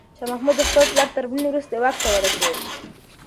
شاه محمود د خپل پلار تر مړینې وروسته واک ته ورسېد.